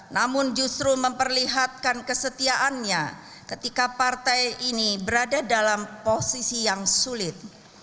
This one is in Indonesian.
namun justru memperlihatkan kesetiaannya ketika partai ini berada dalam posisi yang sulit